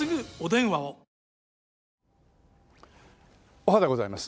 おはでございます。